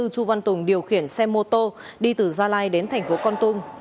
chu văn tùng điều khiển xe mô tô đi từ gia lai đến tp con tung